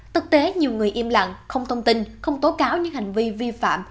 thực tế nhiều người im lặng không thông tin không tố cáo những hành vi vi phạm